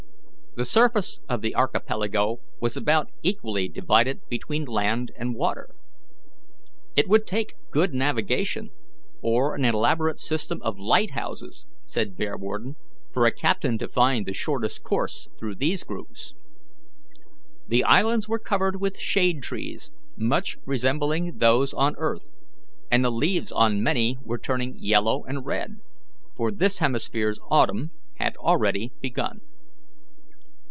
The surface of the archipelago was about equally divided between land and water. "It would take good navigation or an elaborate system of light houses," said Bearwarden, "for a captain to find the shortest course through these groups." The islands were covered with shade trees much resembling those on earth, and the leaves on many were turning yellow and red, for this hemisphere's autumn had already begun.